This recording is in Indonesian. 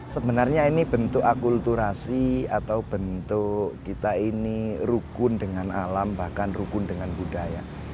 sebenarnya ini bentuk akulturasi atau bentuk kita ini rukun dengan alam bahkan rukun dengan budaya